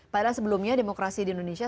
padahal sebelumnya demokrasi di indonesia